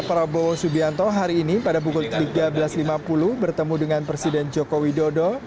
prabowo subianto hari ini pada pukul tiga belas lima puluh bertemu dengan presiden joko widodo